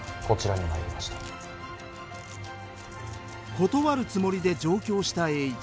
断るつもりで上京した栄一。